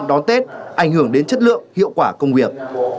đón tết ảnh hưởng đến chất lượng hiệu quả công việc